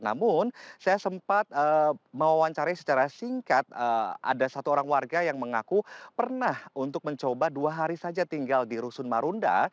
namun saya sempat mewawancari secara singkat ada satu orang warga yang mengaku pernah untuk mencoba dua hari saja tinggal di rusun marunda